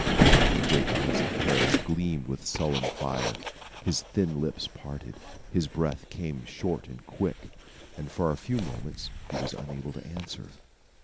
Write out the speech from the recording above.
The great eyes of Parris gleamed with sullen fire; his thin lips parted; his breath came short and quick, and for a few moments he was unable to answer.